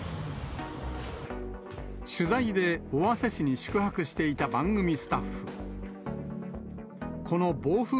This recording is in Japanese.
取材で尾鷲市に宿泊していた番組スタッフ。